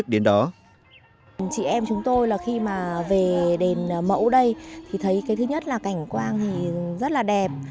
chị em chúng tôi là khi mà về đền mẫu đây thì thấy cái thứ nhất là cảnh quang thì rất là đẹp